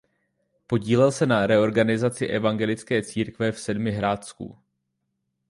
Podílel se na reorganizaci evangelické církve v Sedmihradsku.